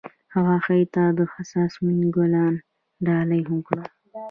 هغه هغې ته د حساس مینه ګلان ډالۍ هم کړل.